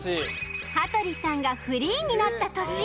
羽鳥さんがフリーになった年